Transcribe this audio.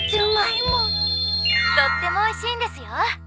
とってもおいしいんですよ。